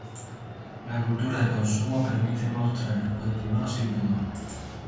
La cultura de consumo permite mostrar el cuerpo humano sin pudor.